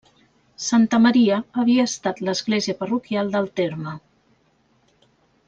Santa Maria havia estat l'església parroquial del terme.